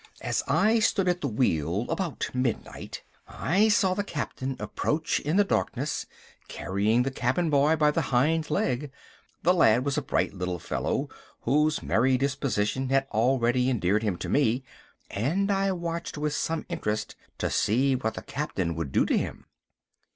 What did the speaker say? As I stood at the wheel about midnight, I saw the Captain approach in the darkness carrying the cabin boy by the hind leg. The lad was a bright little fellow, whose merry disposition had already endeared him to me, and I watched with some interest to see what the Captain would do to him.